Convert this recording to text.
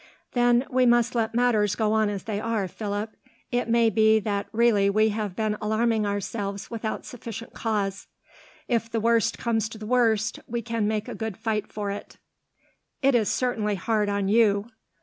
"Then we must let matters go on as they are, Philip. It may be that really we have been alarming ourselves without sufficient cause. If the worst comes to the worst, we can make a good fight for it." "It is certainly hard on you.